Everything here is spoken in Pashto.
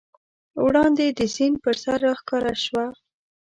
وړاندې د سیند پر سر راښکاره شوه.